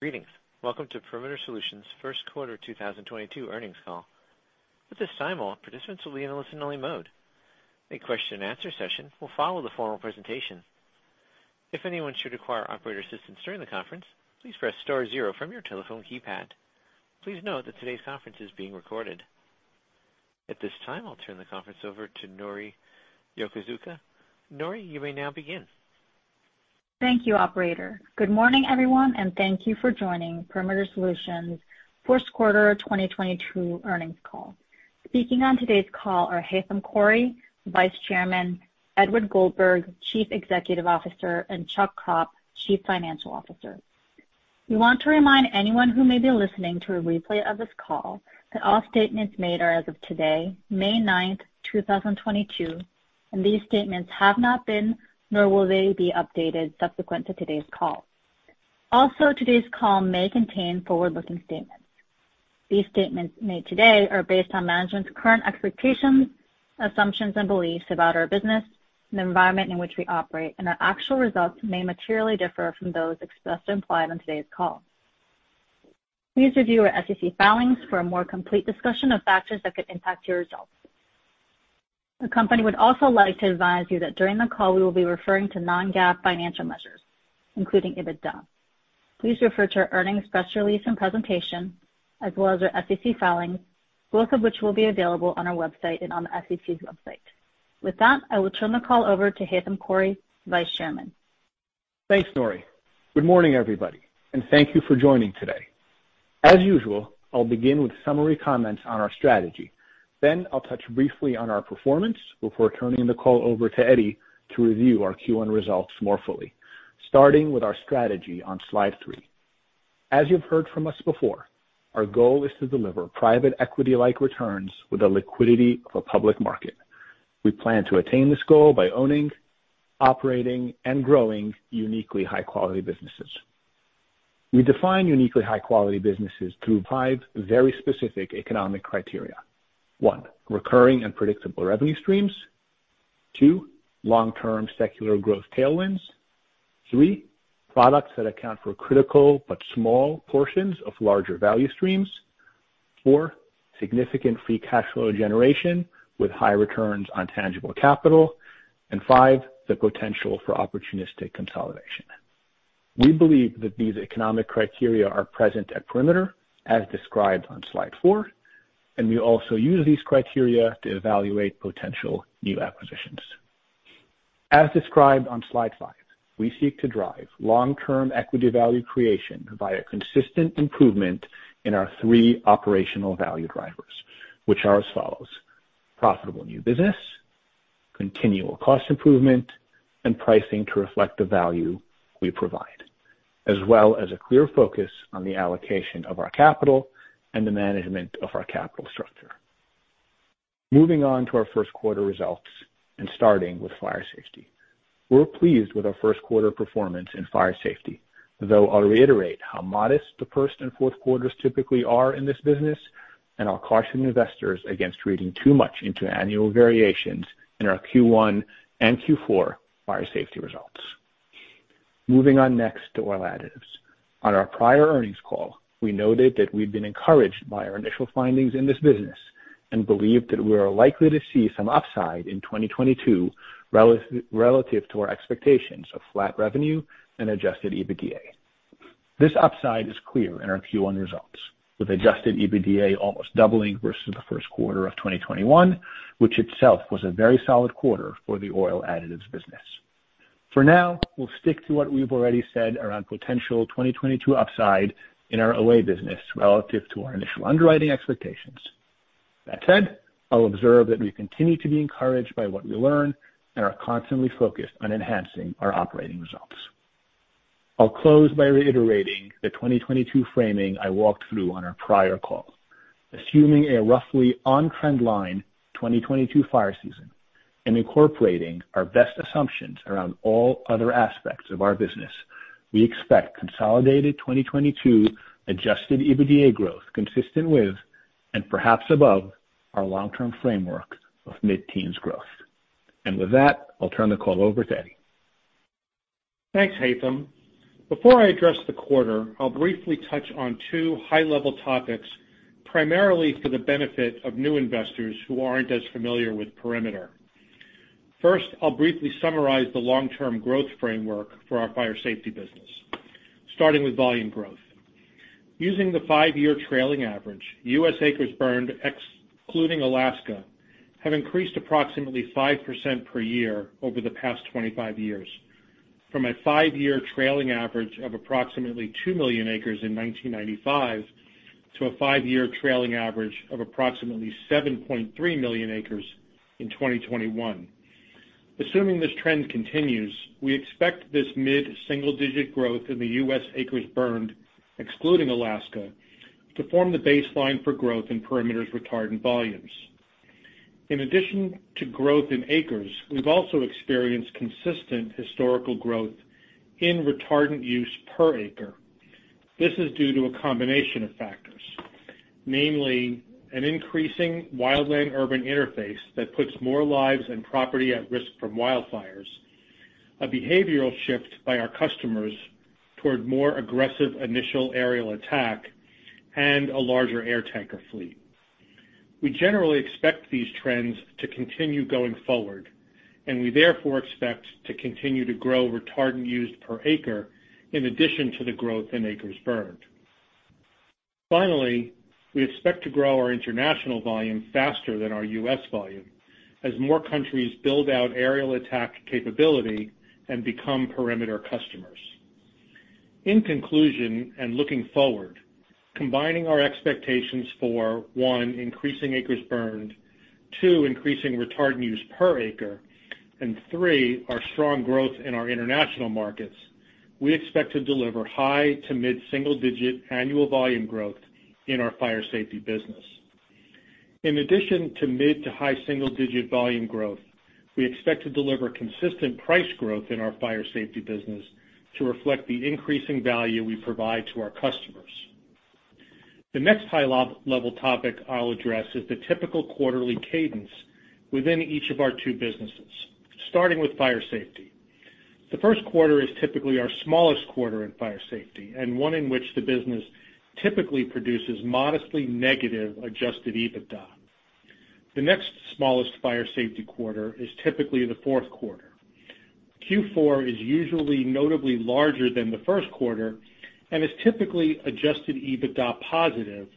Greetings. Welcome to Perimeter Solutions' first quarter 2022 earnings call. At this time, all participants will be in a listen only mode. A question and answer session will follow the formal presentation. If anyone should require operator assistance during the conference, please press star zero from your telephone keypad. Please note that today's conference is being recorded. At this time, I'll turn the conference over to Nori Yokozuka. Nori, you may now begin. Thank you, operator. Good morning, everyone, and thank you for joining Perimeter Solutions first quarter 2022 earnings call. Speaking on today's call are Haitham Khouri, Vice Chairman, Edward Goldberg, Chief Executive Officer, and Chuck Kropp, Chief Financial Officer. We want to remind anyone who may be listening to a replay of this call that all statements made are as of today, May 9th, 2022, and these statements have not been nor will they be updated subsequent to today's call. Also, today's call may contain forward-looking statements. These statements made today are based on management's current expectations, assumptions, and beliefs about our business and the environment in which we operate, and our actual results may materially differ from those expressed or implied on today's call. Please review our SEC filings for a more complete discussion of factors that could impact your results. The company would also like to advise you that during the call we will be referring to non-GAAP financial measures, including EBITDA. Please refer to our earnings press release and presentation as well as our SEC filings, both of which will be available on our website and on the SEC's website. With that, I will turn the call over to Haitham Khouri, Vice Chairman. Thanks, Nori. Good morning, everybody, and thank you for joining today. As usual, I'll begin with summary comments on our strategy. Then I'll touch briefly on our performance before turning the call over to Eddie to review our Q1 results more fully. Starting with our strategy on slide three. As you've heard from us before, our goal is to deliver private equity-like returns with the liquidity of a public market. We plan to attain this goal by owning, operating, and growing uniquely high quality businesses. We define uniquely high quality businesses through five very specific economic criteria. One, recurring and predictable revenue streams. Two, long-term secular growth tailwinds. Three, products that account for critical but small portions of larger value streams. Four, significant free cash flow generation with high returns on tangible capital. And five, the potential for opportunistic consolidation. We believe that these economic criteria are present at Perimeter as described on slide four, and we also use these criteria to evaluate potential new acquisitions. As described on slide five, we seek to drive long-term equity value creation via consistent improvement in our three operational value drivers, which are as follows, profitable new business, continual cost improvement, and pricing to reflect the value we provide, as well as a clear focus on the allocation of our capital and the management of our capital structure. Moving on to our first quarter results and starting with fire safety. We're pleased with our first quarter performance in fire safety, though I'll reiterate how modest the first and fourth quarters typically are in this business and I'll caution investors against reading too much into annual variations in our Q1 and Q4 fire safety results. Moving on next to oil additives. On our prior earnings call, we noted that we've been encouraged by our initial findings in this business and believe that we are likely to see some upside in 2022 relative to our expectations of flat revenue and adjusted EBITDA. This upside is clear in our Q1 results, with adjusted EBITDA almost doubling versus the first quarter of 2021, which itself was a very solid quarter for the oil additives business. For now, we'll stick to what we've already said around potential 2022 upside in our OA business relative to our initial underwriting expectations. That said, I'll observe that we continue to be encouraged by what we learn and are constantly focused on enhancing our operating results. I'll close by reiterating the 2022 framing I walked through on our prior call. Assuming a roughly on trend line 2022 fire season and incorporating our best assumptions around all other aspects of our business, we expect consolidated 2022 adjusted EBITDA growth consistent with and perhaps above our long-term framework of mid-teens growth. With that, I'll turn the call over to Edward. Thanks, Haitham. Before I address the quarter, I'll briefly touch on two high-level topics, primarily for the benefit of new investors who aren't as familiar with Perimeter. First, I'll briefly summarize the long-term growth framework for our fire safety business, starting with volume growth. Using the five-year trailing average, U.S. acres burned, excluding Alaska, have increased approximately 5% per year over the past 25 years, from a five-year trailing average of approximately 2 million acres in 1995 to a five-year trailing average of approximately 7.3 million acres in 2021. Assuming this trend continues, we expect this mid-single digit growth in the U.S. acres burned, excluding Alaska, to form the baseline for growth in Perimeter's retardant volumes. In addition to growth in acres, we've also experienced consistent historical growth in retardant use per acre. This is due to a combination of factors. Namely, an increasing wildland-urban interface that puts more lives and property at risk from wildfires, a behavioral shift by our customers toward more aggressive initial aerial attack, and a larger air tanker fleet. We generally expect these trends to continue going forward, and we therefore expect to continue to grow retardant used per acre in addition to the growth in acres burned. Finally, we expect to grow our international volume faster than our U.S. volume as more countries build out aerial attack capability and become Perimeter customers. In conclusion, and looking forward, combining our expectations for, one, increasing acres burned, two, increasing retardant use per acre, and three, our strong growth in our international markets, we expect to deliver high to mid-single digit annual volume growth in our fire safety business. In addition to mid- to high-single-digit volume growth, we expect to deliver consistent price growth in our fire safety business to reflect the increasing value we provide to our customers. The next high-level topic I'll address is the typical quarterly cadence within each of our two businesses, starting with fire safety. The first quarter is typically our smallest quarter in fire safety, and one in which the business typically produces modestly negative adjusted EBITDA. The next smallest fire safety quarter is typically the fourth quarter. Q4 is usually notably larger than the first quarter and is typically adjusted EBITDA positive,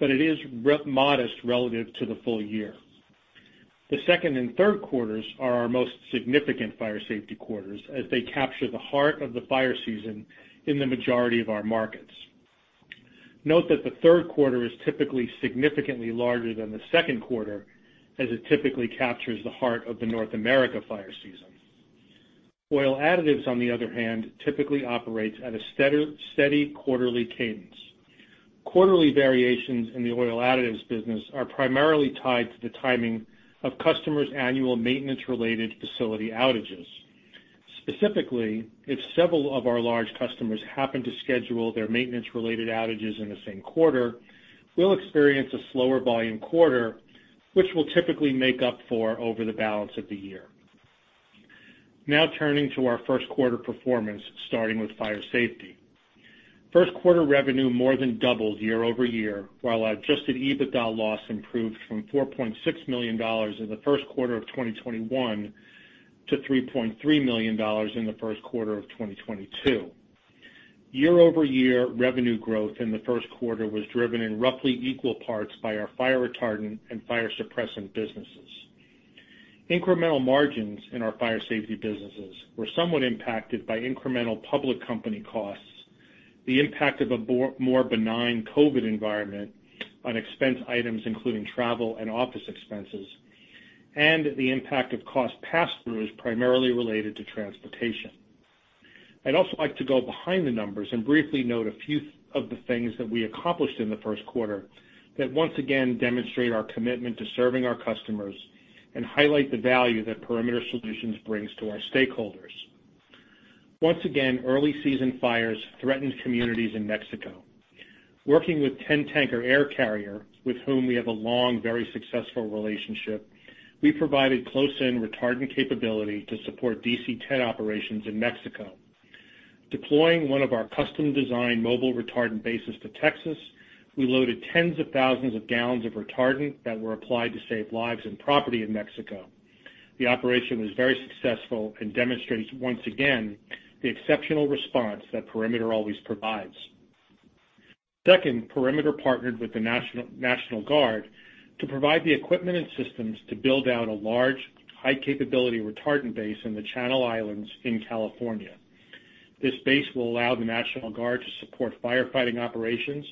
but it is modest relative to the full year. The second and third quarters are our most significant fire safety quarters as they capture the heart of the fire season in the majority of our markets. Note that the third quarter is typically significantly larger than the second quarter as it typically captures the heart of the North America fire season. Oil additives, on the other hand, typically operates at a steady quarterly cadence. Quarterly variations in the oil additives business are primarily tied to the timing of customers' annual maintenance-related facility outages. Specifically, if several of our large customers happen to schedule their maintenance-related outages in the same quarter, we'll experience a slower volume quarter, which we'll typically make up for over the balance of the year. Now turning to our first quarter performance, starting with fire safety. First quarter revenue more than doubled year-over-year, while adjusted EBITDA loss improved from $4.6 million in the first quarter of 2021 to $3.3 million in the first quarter of 2022. Year over year revenue growth in the first quarter was driven in roughly equal parts by our fire retardant and fire suppressant businesses. Incremental margins in our fire safety businesses were somewhat impacted by incremental public company costs, the impact of a more benign COVID environment on expense items, including travel and office expenses, and the impact of cost pass-throughs primarily related to transportation. I'd also like to go behind the numbers and briefly note a few of the things that we accomplished in the first quarter that once again demonstrate our commitment to serving our customers and highlight the value that Perimeter Solutions brings to our stakeholders. Once again, early season fires threatened communities in Mexico. Working with 10 Tanker Air Carrier, with whom we have a long, very successful relationship, we provided close-in retardant capability to support DC-10 operations in Mexico. Deploying one of our custom-designed mobile retardant bases to Texas, we loaded tens of thousands of gallons of retardant that were applied to save lives and property in Mexico. The operation was very successful and demonstrates, once again, the exceptional response that Perimeter always provides. Second, Perimeter partnered with the National Guard to provide the equipment and systems to build out a large, high-capability retardant base in the Channel Islands in California. This base will allow the National Guard to support firefighting operations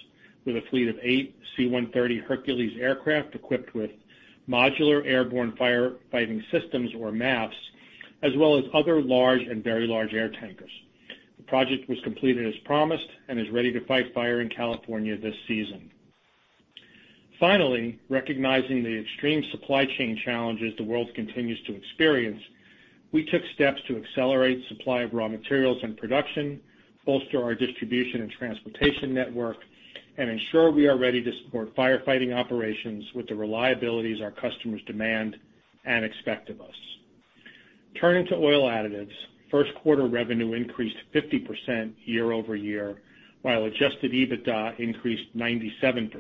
with a fleet of eight C-130 Hercules aircraft equipped with modular airborne firefighting systems, or MAFFS, as well as other large and very large air tankers. The project was completed as promised and is ready to fight fire in California this season. Finally, recognizing the extreme supply chain challenges the world continues to experience, we took steps to accelerate supply of raw materials and production, bolster our distribution and transportation network, and ensure we are ready to support firefighting operations with the reliabilities our customers demand and expect of us. Turning to oil additives, first quarter revenue increased 50% year-over-year, while adjusted EBITDA increased 97%.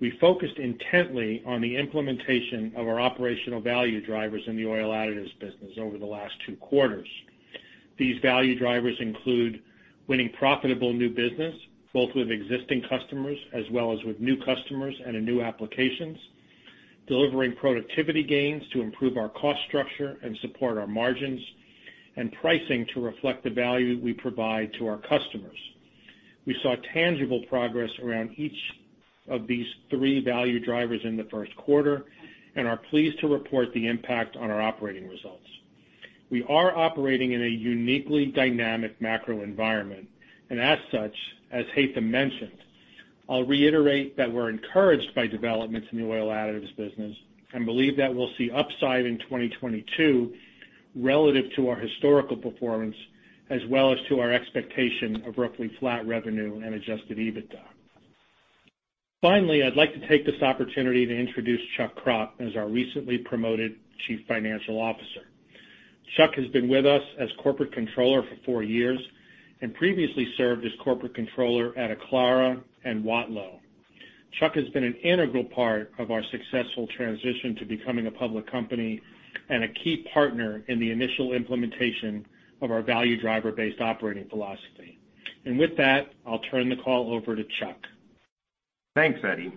We focused intently on the implementation of our operational value drivers in the oil additives business over the last two quarters. These value drivers include winning profitable new business, both with existing customers as well as with new customers and in new applications, delivering productivity gains to improve our cost structure and support our margins, and pricing to reflect the value we provide to our customers. We saw tangible progress around each of these three value drivers in the first quarter and are pleased to report the impact on our operating results. We are operating in a uniquely dynamic macro environment, and as such, as Haitham mentioned, I'll reiterate that we're encouraged by developments in the oil additives business and believe that we'll see upside in 2022. Relative to our historical performance, as well as to our expectation of roughly flat revenue and adjusted EBITDA. Finally, I'd like to take this opportunity to introduce Chuck Kropp as our recently promoted Chief Financial Officer. Chuck has been with us as corporate controller for four years and previously served as corporate controller at Aclara and Watlow. Chuck has been an integral part of our successful transition to becoming a public company and a key partner in the initial implementation of our value driver-based operating philosophy. With that, I'll turn the call over to Chuck. Thanks, Eddie.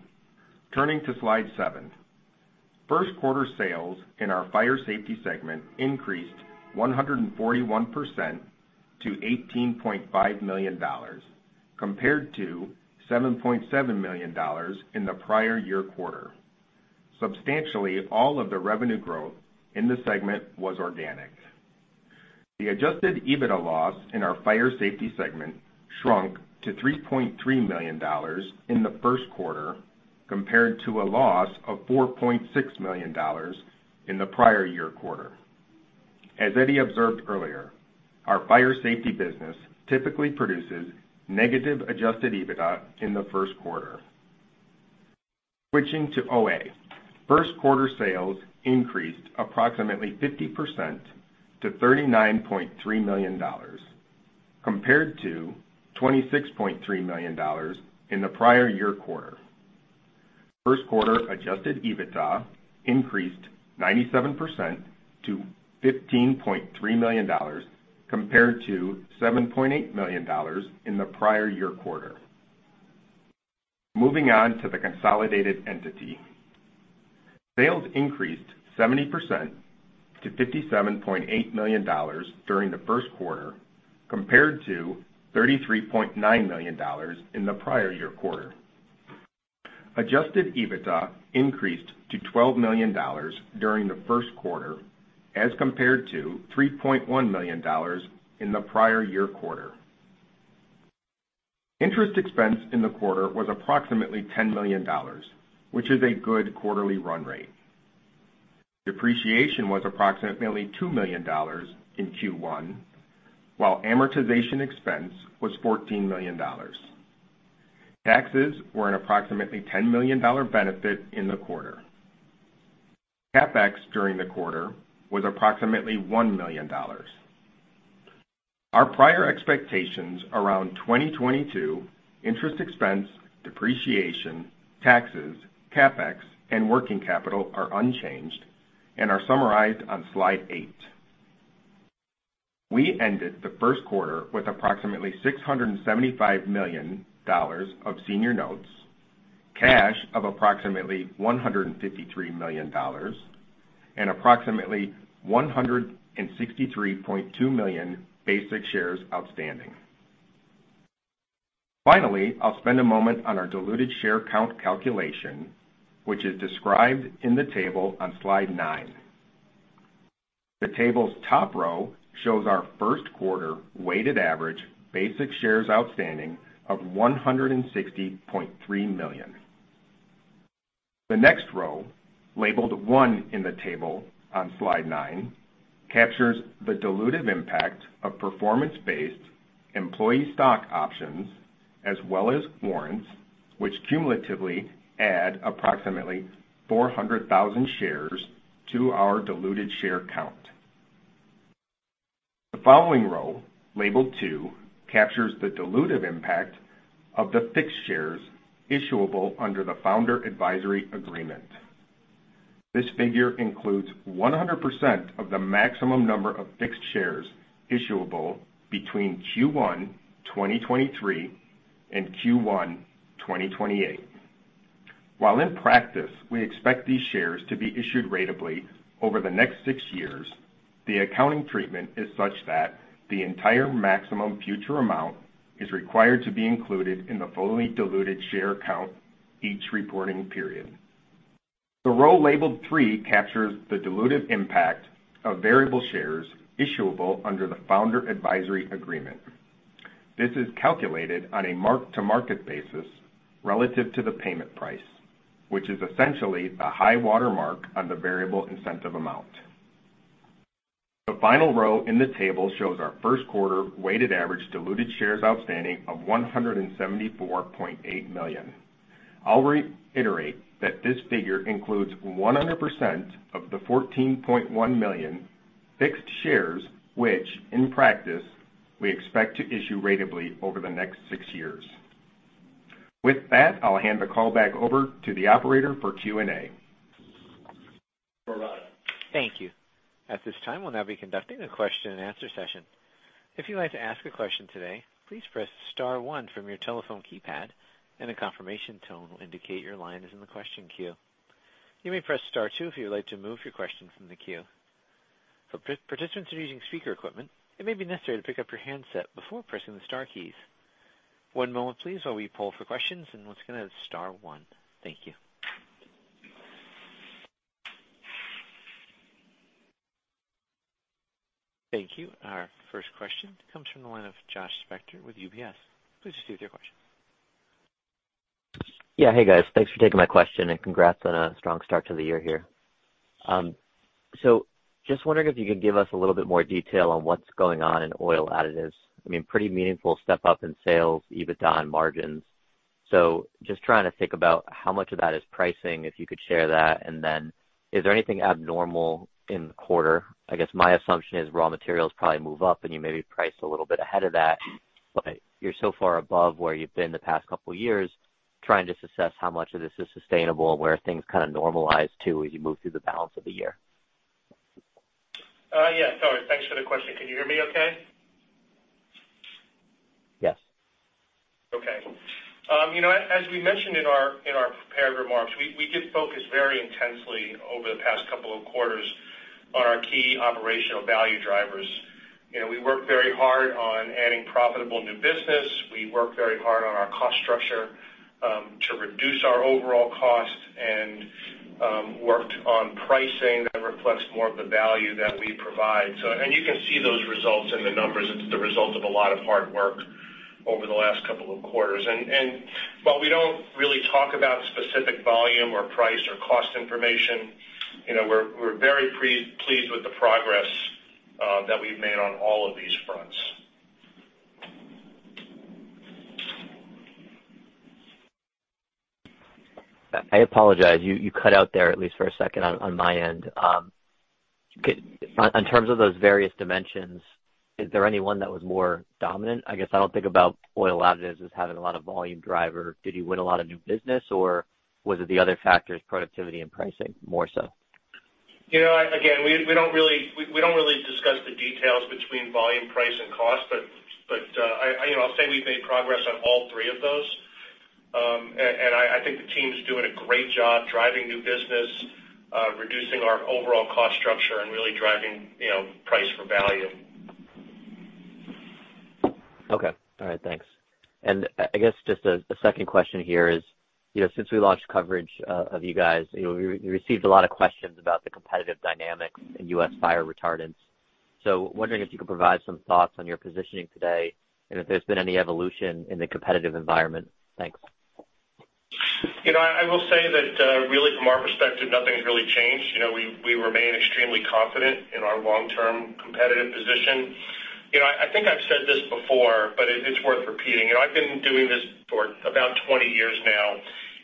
Turning to slide seven. First quarter sales in our fire safety segment increased 141% to $18.5 million compared to $7.7 million in the prior year quarter. Substantially all of the revenue growth in the segment was organic. The adjusted EBITDA loss in our fire safety segment shrunk to $3.3 million in the first quarter, compared to a loss of $4.6 million in the prior year quarter. As Eddie observed earlier, our fire safety business typically produces negative adjusted EBITDA in the first quarter. Switching to OA. First quarter sales increased approximately 50% to $39.3 million compared to $26.3 million in the prior year quarter. First quarter adjusted EBITDA increased 97% to $15.3 million compared to $7.8 million in the prior year quarter. Moving on to the consolidated entity. Sales increased 70% to $57.8 million during the first quarter compared to $33.9 million in the prior year quarter. Adjusted EBITDA increased to $12 million during the first quarter as compared to $3.1 million in the prior year quarter. Interest expense in the quarter was approximately $10 million, which is a good quarterly run rate. Depreciation was approximately $2 million in Q1, while amortization expense was $14 million. Taxes were an approximately $10 million benefit in the quarter. CapEx during the quarter was approximately $1 million. Our prior expectations around 2022 interest expense, depreciation, taxes, CapEx, and working capital are unchanged and are summarized on slide eight. We ended the first quarter with approximately $675 million of senior notes, cash of approximately $153 million, and approximately 163.2 million basic shares outstanding. Finally, I'll spend a moment on our diluted share count calculation, which is described in the table on slide nine. The table's top row shows our first quarter weighted average basic shares outstanding of 160.3 million. The next row, labeled one in the table on slide nine, captures the dilutive impact of performance-based employee stock options as well as warrants, which cumulatively add approximately 400,000 shares to our diluted share count. The following row, labeled two, captures the dilutive impact of the fixed shares issuable under the Founder Advisory Agreement. This figure includes 100% of the maximum number of fixed shares issuable between Q1 2023 and Q1 2028. While in practice, we expect these shares to be issued ratably over the next six years, the accounting treatment is such that the entire maximum future amount is required to be included in the fully diluted share count each reporting period. The row labeled three captures the dilutive impact of variable shares issuable under the Founder Advisory Agreement. This is calculated on a mark-to-market basis relative to the payment price, which is essentially the high watermark on the variable incentive amount. The final row in the table shows our first quarter weighted average diluted shares outstanding of 174.8 million. I'll reiterate that this figure includes 100% of the 14.1 million fixed shares, which in practice, we expect to issue ratably over the next six years. With that, I'll hand the call back over to the operator for Q&A. Thank you. At this time, we'll now be conducting a question-and-answer session. If you'd like to ask a question today, please press star one from your telephone keypad and a confirmation tone will indicate your line is in the question queue. You may press star two if you would like to move your question from the queue. For participants who are using speaker equipment, it may be necessary to pick up your handset before pressing the star keys. One moment please, while we poll for questions, and once again, that's star one. Thank you. Thank you. Our first question comes from the line of Josh Spector with UBS. Please proceed with your question. Yeah. Hey, guys. Thanks for taking my question, and congrats on a strong start to the year here. Just wondering if you could give us a little bit more detail on what's going on in oil additives. I mean, pretty meaningful step up in sales, EBITDA, and margins. Just trying to think about how much of that is pricing, if you could share that. Is there anything abnormal in the quarter? I guess my assumption is raw materials probably move up, and you maybe priced a little bit ahead of that. You're so far above where you've been the past couple years, trying to just assess how much of this is sustainable and where things kinda normalize too, as you move through the balance of the year. Yeah. Sorry. Thanks for the question. Can you hear me okay? Yes. Okay. You know, as we mentioned in our prepared remarks, we did focus very intensely over the past couple of quarters on our key operational value drivers. You know, we worked very hard on adding profitable new business. We worked very hard on our cost structure to reduce our overall cost and worked on pricing that reflects more of the value that we provide. You can see those results in the numbers. It's the result of a lot of hard work over the last couple of quarters. While we don't really talk about specific volume or price or cost information, you know, we're very pleased with the progress that we've made on all of these fronts. I apologize. You cut out there at least for a second on my end. On terms of those various dimensions, is there any one that was more dominant? I guess I don't think about oil additives as having a lot of volume driver. Did you win a lot of new business, or was it the other factors, productivity and pricing more so? You know, again, we don't really discuss the details between volume, price, and cost, but, I, you know, I'll say we've made progress on all three of those. I think the team's doing a great job driving new business, reducing our overall cost structure and really driving, you know, price for value. Okay. All right. Thanks. I guess just a second question here is, you know, since we launched coverage of you guys, you know, we received a lot of questions about the competitive dynamics in U.S. fire retardants. So wondering if you could provide some thoughts on your positioning today and if there's been any evolution in the competitive environment. Thanks. You know, I will say that, really from our perspective, nothing's really changed. You know, we remain extremely confident in our long-term competitive position. You know, I think I've said this before, but it's worth repeating. You know, I've been doing this for about 20 years now,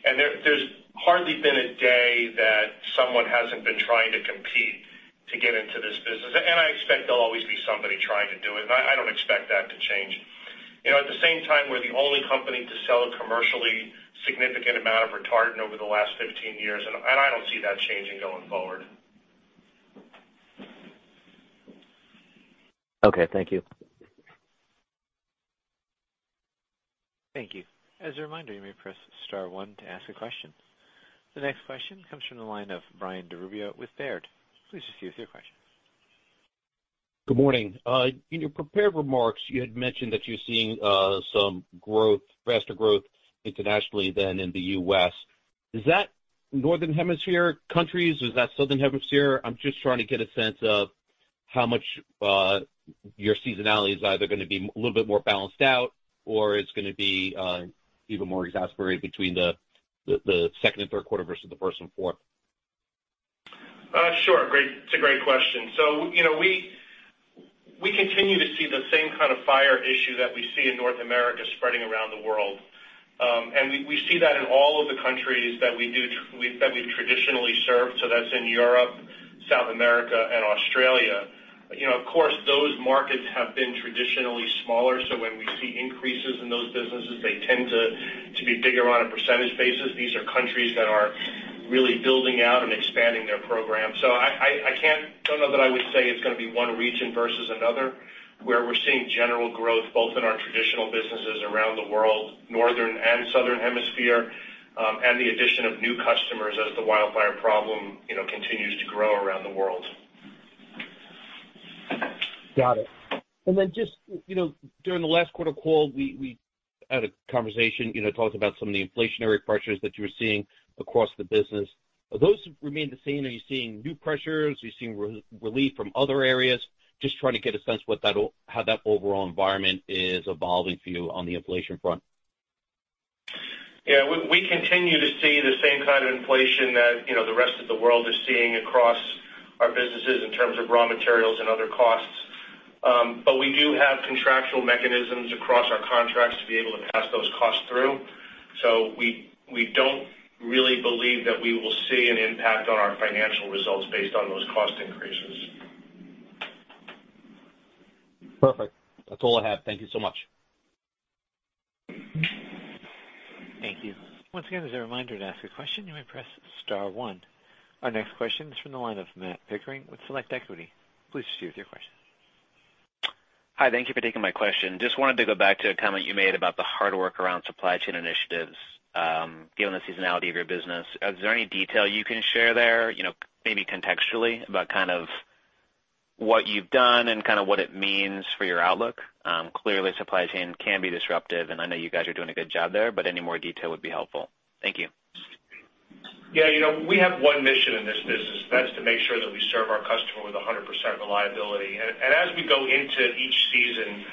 and there's hardly been a day that someone hasn't been trying to compete to get into this business. I expect there'll always be somebody trying to do it. I don't expect that to change. You know, at the same time, we're the only company to sell a commercially significant amount of retardant over the last 15 years, and I don't see that changing going forward. Okay. Thank you. Thank you. As a reminder, you may press star one to ask a question. The next question comes from the line of Brian DiRubbio with Baird. Please proceed with your question. Good morning. In your prepared remarks, you had mentioned that you're seeing some growth, faster growth internationally than in the U.S. Is that northern hemisphere countries? Is that southern hemisphere? I'm just trying to get a sense of how much your seasonality is either gonna be a little bit more balanced out, or it's gonna be even more exacerbated between the second and third quarter versus the first and fourth. Sure. Great. It's a great question. You know, we continue to see the same kind of fire issue that we see in North America spreading around the world. We see that in all of the countries that we traditionally serve, so that's in Europe, South America, and Australia. You know, of course, those markets have been traditionally smaller, so when we see increases in those businesses, they tend to be bigger on a percentage basis. These are countries that are really building out and expanding their program. I don't know that I would say it's gonna be one region versus another, where we're seeing general growth both in our traditional businesses around the world, northern and southern hemisphere, and the addition of new customers as the wildfire problem, you know, continues to grow around the world. Got it. Then just, you know, during the last quarter call, we had a conversation, you know, talked about some of the inflationary pressures that you were seeing across the business. Are those remain the same? Are you seeing new pressures? Are you seeing relief from other areas? Just trying to get a sense what that how that overall environment is evolving for you on the inflation front. Yeah. We continue to see the same kind of inflation that, you know, the rest of the world is seeing across our businesses in terms of raw materials and other costs. We do have contractual mechanisms across our contracts to be able to pass those costs through. We don't really believe that we will see an impact on our financial results based on those cost increases. Perfect. That's all I have. Thank you so much. Thank you. Once again, as a reminder to ask a question, you may press star one. Our next question is from the line of Matt Pickering with Select Equity. Please proceed with your question. Hi. Thank you for taking my question. Just wanted to go back to a comment you made about the hard work around supply chain initiatives, given the seasonality of your business. Is there any detail you can share there, you know, maybe contextually about kind of what you've done and kinda what it means for your outlook? Clearly, supply chain can be disruptive, and I know you guys are doing a good job there, but any more detail would be helpful. Thank you. Yeah. You know, we have one mission in this business. That's to make sure that we serve our customer with 100% reliability. As we go into each season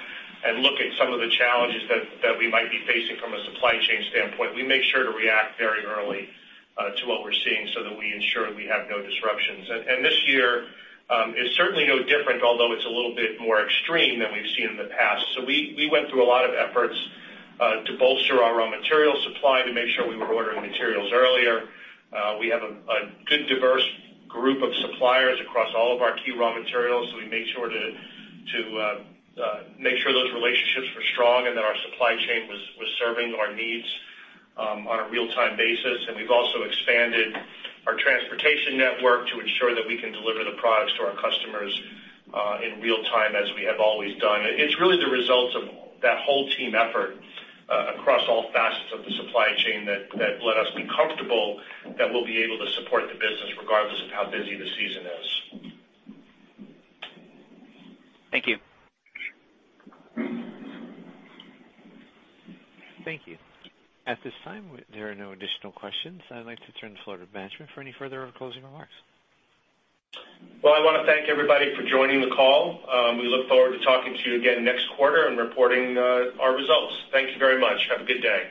and look at some of the challenges that we might be facing from a supply chain standpoint, we make sure to react very early to what we're seeing so that we ensure we have no disruptions. This year is certainly no different, although it's a little bit more extreme than we've seen in the past. We went through a lot of efforts to bolster our raw material supply to make sure we were ordering materials earlier. We have a good diverse group of suppliers across all of our key raw materials, so we make sure those relationships were strong and that our supply chain was serving our needs on a real-time basis. We've also expanded our transportation network to ensure that we can deliver the products to our customers in real time as we have always done. It's really the results of that whole team effort across all facets of the supply chain that let us be comfortable that we'll be able to support the business regardless of how busy the season is. Thank you. Thank you. At this time, there are no additional questions. I'd like to turn the floor to management for any further or closing remarks. Well, I wanna thank everybody for joining the call. We look forward to talking to you again next quarter and reporting our results. Thank you very much. Have a good day.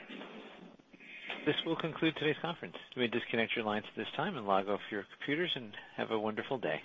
This will conclude today's conference. You may disconnect your lines at this time and log off your computers, and have a wonderful day.